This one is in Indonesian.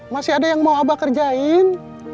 masih ada yang mau abah kerjain